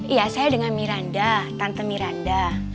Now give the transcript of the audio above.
iya saya dengan miranda tante miranda